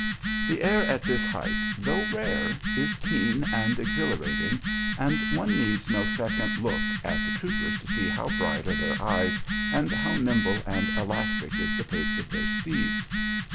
The air at this height, though rare, is keen and exhilarating, and one needs no second look at the troopers to see how bright are their eyes and how nimble and elastic is the pace of their steeds.